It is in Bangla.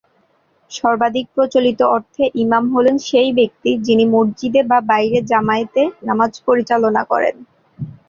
সর্বাধিক প্রচলিত অর্থে ইমাম হলেন সেই ব্যক্তি যিনি মসজিদে বা বাইরে জামায়াতে নামাজ পরিচালনা করেন।